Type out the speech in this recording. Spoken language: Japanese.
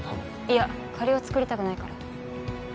いや借りを作りたくないから。